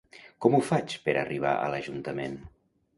Com ho faig per arribar a l'Ajuntament?